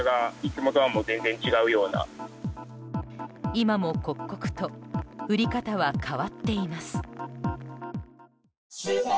今も刻々と降り方は変わっています。